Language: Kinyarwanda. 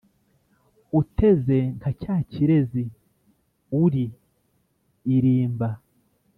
Uteze nka cya kirezi uriirimba